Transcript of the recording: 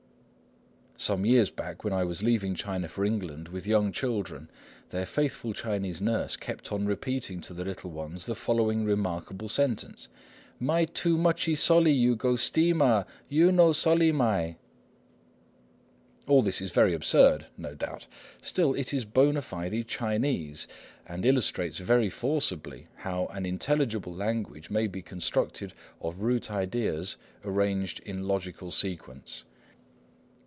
Some years back, when I was leaving China for England with young children, their faithful Chinese nurse kept on repeating to the little ones the following remarkable sentence, "My too muchey solly you go steamah; you no solly my." All this is very absurd, no doubt; still it is bona fide Chinese, and illustrates very forcibly how an intelligible language may be constructed of root ideas arranged in logical sequence.